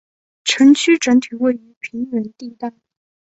城区整体位于平原地带。